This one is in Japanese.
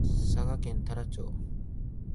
佐賀県太良町